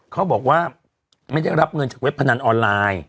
เขาบอกว่าไม่ได้รับเงินจากเว็บพนันออนไลน์